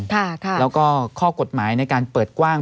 แล้วก็ข้อกฎหมายในการเปิดกว้าง